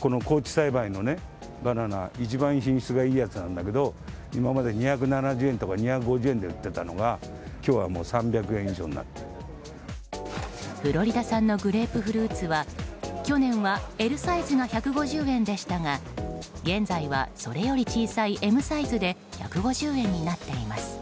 この高地栽培のバナナ一番品質がいいものなんだけど今まで２５０円とか２７０円で売ってたんだけどフロリダ産のグレープフルーツは去年はＬサイズが１５０円でしたが現在はそれより小さいＭサイズで１５０円になっています。